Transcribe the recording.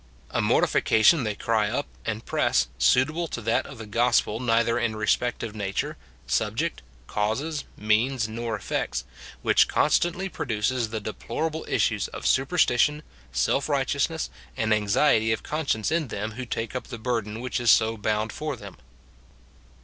A mortification they cry up and press, suitable to that of the gospel neither in respect of nature, subject, causes, means, nor effects ; which constantly produces the deplorable issues of superstition, self righteousness, and anxiety of conscience in them who take up the burden which is so bound for them.